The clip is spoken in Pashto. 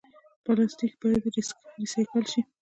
پلاستیک باید ریسایکل شي